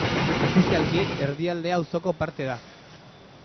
Ofizialki, Erdialdea auzoko parte da.